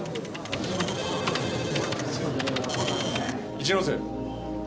一ノ瀬。